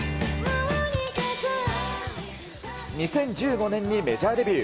２０１５年にメジャーデビュー。